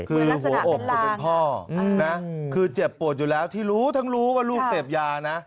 เหมือนลักษณะเป็นลางคือหัวอบของคุณพ่อนะคือเจ็บปวดอยู่แล้วที่รู้ทั้งรู้ว่าลูกเสพยานะ